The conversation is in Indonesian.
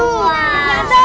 tuh bener dong